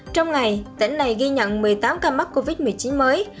trong ngày tỉnh này ghi nhận một mươi tám ca mắc covid một mươi chín mới